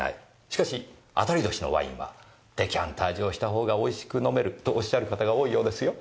しかし当たり年のワインはデカンタージュをしたほうが美味しく飲めるとおっしゃる方が多いようですよ。